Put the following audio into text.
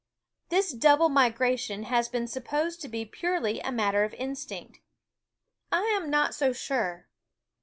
This double migration has been supposed to be purely a matter of instinct. I am not so sure.